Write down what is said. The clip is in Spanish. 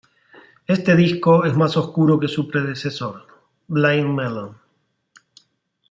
Este disco es más oscuro que su predecesor, "Blind Melon".